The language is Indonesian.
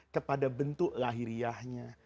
kepada bentuk lahiriahnya